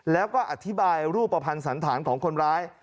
แล้วก็อธิบายรูปภัณฑ์สันธารของคนร้าย